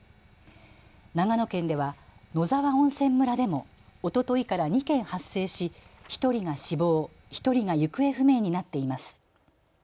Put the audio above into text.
長野県では野沢温泉村でもおとといから２件発生し１人が死亡、１人が行方不明になっています。